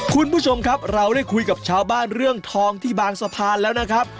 คุณผู้ชมครับเราได้คุยกับชาวบ้านเรื่องทองที่บางสะพานแล้วนะครับ